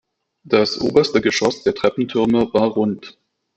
Das oberste Geschoss der Treppentürme war rund.